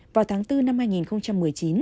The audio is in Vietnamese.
vào tháng bốn năm hai nghìn một mươi chín